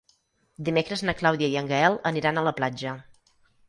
Dimecres na Clàudia i en Gaël aniran a la platja.